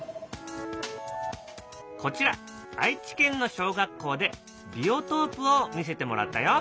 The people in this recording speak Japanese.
こちら愛知県の小学校でビオトープを見せてもらったよ。